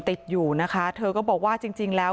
ติดอยู่นะคะเธอก็บอกว่าจริงแล้ว